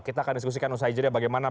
kita akan diskusikan usai jeda bagaimana